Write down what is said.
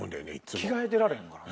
着替えてられへんからな。